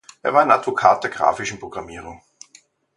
Er war ein Advokat der graphischen Programmierung.